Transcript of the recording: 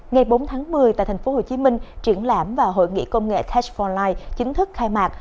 ngày bốn tháng một mươi tại tp hcm triển lãm và hội nghị công nghệ tech bốn line chính thức khai mạc